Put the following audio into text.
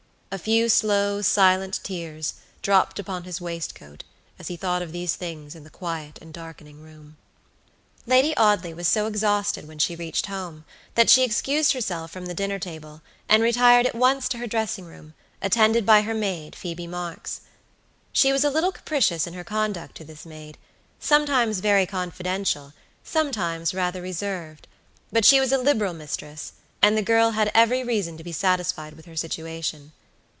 A few slow, silent tears dropped upon his waistcoat as he thought of these things in the quiet and darkening room. Lady Audley was so exhausted when she reached home, that she excused herself from the dinner table, and retired at once to her dressing room, attended by her maid, Phoebe Marks. She was a little capricious in her conduct to this maidsometimes very confidential, sometimes rather reserved; but she was a liberal mistress, and the girl had every reason to be satisfied with her situation.